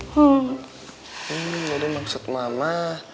hmm yaudah maksud mama